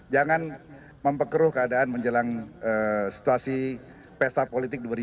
jangan mempekeruh keadaan menjelang situasi pesta politik dua ribu sembilan belas